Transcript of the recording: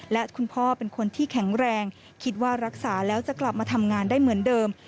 และคุณพ่อเป็นคนที่แข็งแรงคิดว่ารักษาแล้วจะกลับมาทำงานได้เหมือนเดิม